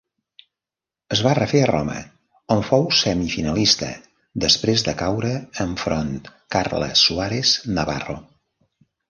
Es va refer a Roma on fou semifinalista després de caure enfront Carla Suárez Navarro.